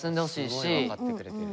すごい分かってくれてる。